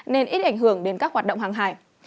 nên ít ảnh hưởng đến các hoạt động hàng hải